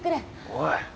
おい。